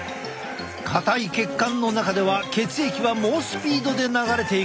硬い血管の中では血液は猛スピードで流れていく。